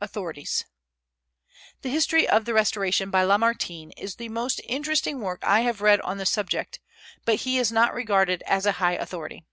AUTHORITIES. The History of the Restoration by Lamartine is the most interesting work I have read on the subject; but he is not regarded as a high authority.